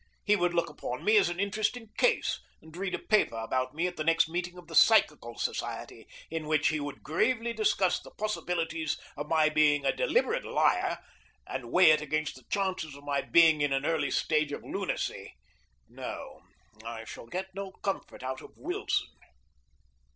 He would look upon me as an interesting case, and read a paper about me at the next meeting of the Psychical Society, in which he would gravely discuss the possibility of my being a deliberate liar, and weigh it against the chances of my being in an early stage of lunacy. No, I shall get no comfort out of Wilson.